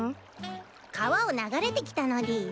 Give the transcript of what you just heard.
川を流れてきたのでぃす。